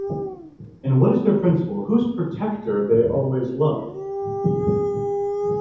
And what is their principle, whose protector they always 'love'?